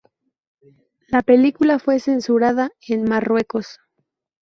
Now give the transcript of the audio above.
La película fue censurada en Marruecos.